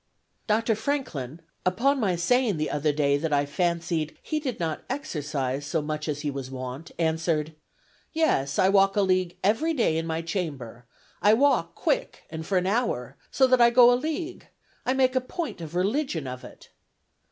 "Dr. Franklin, upon my saying the other day that I fancied he did not exercise so much as he was wont, answered, 'Yes, I walk a league every day in my chamber; I walk quick, and for an hour, so that I go a league; I make a point of religion of it.'